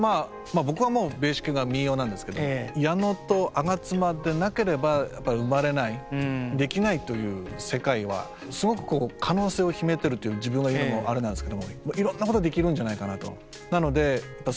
僕はもうベーシックが民謡なんですけどやのとあがつまでなければ生まれないできないという世界はすごく可能性を秘めてると自分が言うのもあれなんですけどもいろんなことできるんじゃないかなと。